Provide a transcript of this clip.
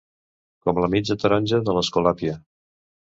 Com la mitja taronja de l'Escolàpia.